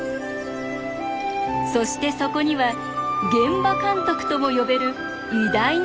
そしてそこには現場監督とも呼べる偉大なリーダーがいました。